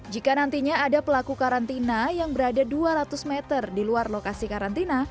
jika nantinya ada pelaku karantina yang berada dua ratus meter di luar lokasi karantina